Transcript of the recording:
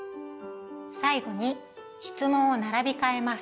最後に質問を並びかえます。